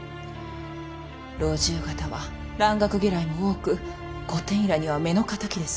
老中方は蘭学嫌いも多く御殿医らには目の敵です。